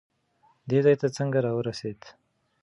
دې ځای ته څنګه راورسېد؟